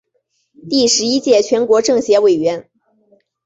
第十一届全国政协委员。